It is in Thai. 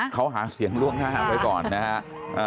เขาหาเสียงล่วงหน้าไว้ก่อนนะครับ